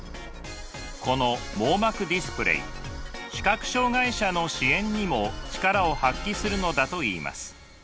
この網膜ディスプレイ視覚障害者の支援にも力を発揮するのだといいます。